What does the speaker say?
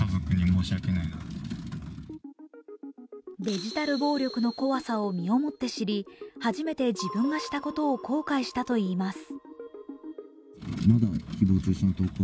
デジタル暴力の怖さを身をもって知り、初めて自分がしたことを後悔したといいます。